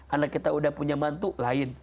anak kita udah punya mantu lain